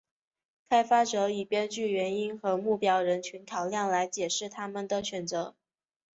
开发者以编剧原因和目标人群考量来解释他们的选择。